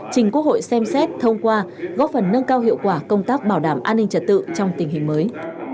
trình quốc hội xem xét thông qua góp phần nâng cao hiệu quả công tác bảo đảm an ninh trật tự trong tình hình mới